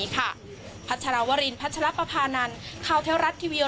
คราวเทวรัฐทีวี